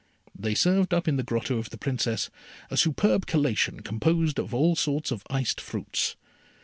They served up in the grotto of the Princess a superb collation composed of all sorts of iced fruits.